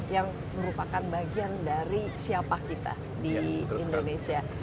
yang merupakan bagian dari siapa kita di indonesia